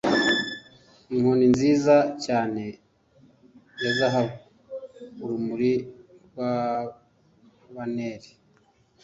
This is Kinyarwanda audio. inkoni nziza cyane ya zahabu, urumuri rwa banneri